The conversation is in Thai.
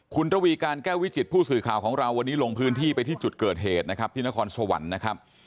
คุณระวีการแก้ววิจิตผู้สื่อข่าวของเราวันนี้ลงพื้นที่ไปที่จุดเกิดเหตุนะครับที่นครสวรรค์นะครับ